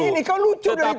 ini kau lucu dari tadi ngomong